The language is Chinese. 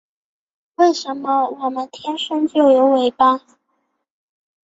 为什么我们天生就有尾巴